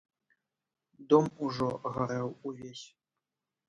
Дом ужо гарэў увесь.